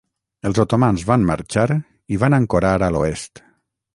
El otomans van marxar i van ancorar a l'oest.